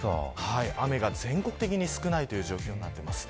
雨が全国的に少ないという状況になっています。